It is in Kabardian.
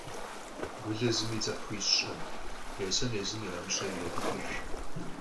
Гулэ зыми дзыхь хуищӀыркъым. Есэн, езым и ӀэмыщӀэ ирепӀыкӀыж.